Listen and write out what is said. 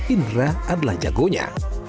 indra adalah jagonya